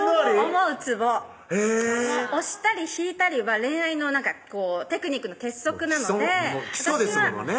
思うつぼ押したり引いたりは恋愛のテクニックの鉄則なので基礎ですものね